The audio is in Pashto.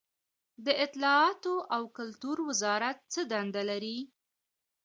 د اطلاعاتو او کلتور وزارت څه دنده لري؟